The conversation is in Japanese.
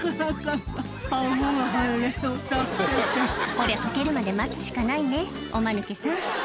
こりゃ溶けるまで待つしかないねおマヌケさん